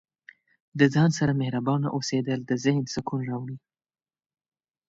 د ځان سره مهربانه اوسیدل د ذهن سکون راوړي.